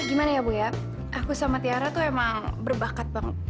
gimana ya bu ya aku sama tiara tuh emang berbakat banget